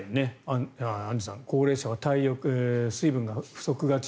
アンジュさん高齢者は水分が不足がち。